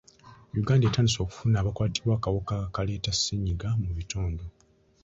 Uganda etandise okufuna abakwatibwa akawuka akaleeta ssennyiga mu bitundu.